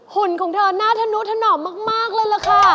หุ่นของเธอน่าธนุถนอมมากเลยล่ะค่ะ